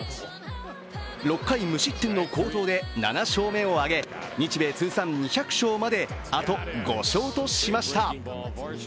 ６回無失点の好投で７勝目を挙げ日米通算２００勝まであと５勝としました。